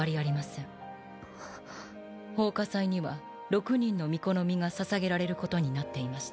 んっ。奉火祭には６人の巫女の身が捧げられることになっていました。